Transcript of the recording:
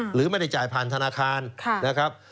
หรือไม่ได้จ่ายผ่านธนาคารนะครับ